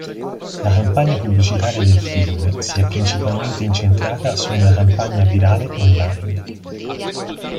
La campagna pubblicitaria del film si è principalmente incentrata su una campagna virale online.